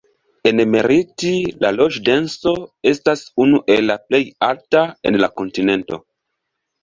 En Meriti la loĝdenso estas unu el la plej alta en la kontinento.